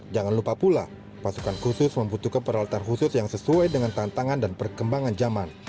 jangan lupa pula pasukan khusus membutuhkan peralatan khusus yang sesuai dengan tantangan dan perkembangan zaman